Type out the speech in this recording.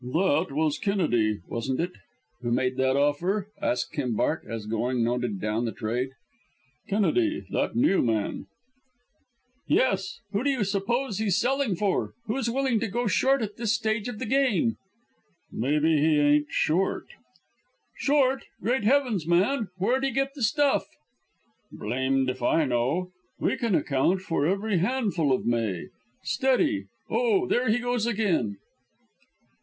"That was Kennedy, wasn't it, who made that offer?" asked Kimbark, as Going noted down the trade "Kennedy, that new man?" "Yes; who do you suppose he's selling for; who's willing to go short at this stage of the game?" "Maybe he ain't short." "Short! Great heavens, man; where'd he get the stuff?" "Blamed if I know. We can account for every handful of May. Steady! Oh, there he goes again."